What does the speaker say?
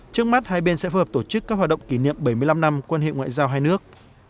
trước mắt hai bên sẽ phù hợp tổ chức các hoạt động kỷ niệm bảy mươi năm năm quan hệ ngoại giao hai nước